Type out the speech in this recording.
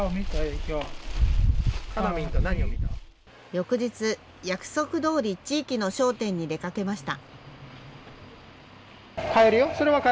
翌日、約束どおり、地域の商店に出かけました。